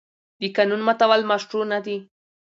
د قانون ماتول مشروع نه دي.